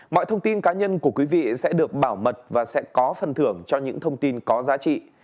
mọi thông tin cá nhân của quý vị sẽ được bảo mật và sẽ có phần thưởng cho những thông tin có giá trị